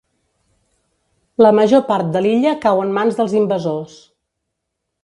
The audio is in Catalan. La major part de l’illa cau en mans dels invasors.